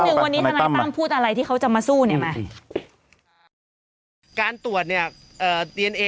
พี่ลองฟังธนัยตั้มพูดอะไรที่เขาจะมาสู้เนี้ยไหมการตรวจเนี้ยเอ่อ